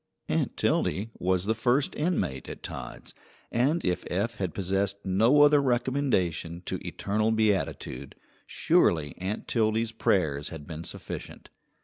Aunt Tildy was the first inmate at Todd's, and if Eph had possessed no other recommendation to eternal beatitude, surely Aunt Tildy's prayers had been sufficient.